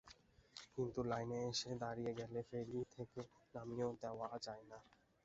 কিন্তু লাইনে এসে দাঁড়িয়ে গেলে ফেরি থেকে নামিয়েও দেওয়া যায় না।